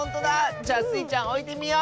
じゃあスイちゃんおいてみよう！